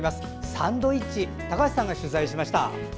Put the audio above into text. サンドイッチ高橋さんが取材しました。